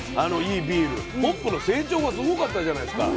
ホップの成長がすごかったじゃないですか。